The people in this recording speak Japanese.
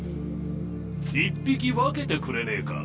１匹分けてくれねぇか？